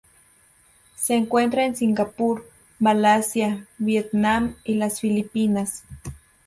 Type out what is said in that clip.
Se encuentra en Singapur, Malasia, Vietnam y las Filipinas.